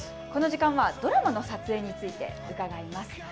この時間はドラマの撮影について伺います。